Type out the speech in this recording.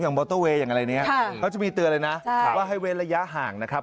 มอเตอร์เวย์อย่างอะไรเนี่ยเขาจะมีเตือนเลยนะว่าให้เว้นระยะห่างนะครับ